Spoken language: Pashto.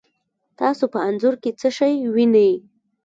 تاسو په انځور کې څه شی وینئ؟